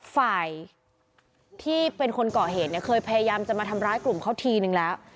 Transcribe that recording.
ฝ่ายที่เป็นคนก่อเหตุเนี่ยเคยพยายามจะมาทำร้ายกลุ่มเขาทีนึงแล้ว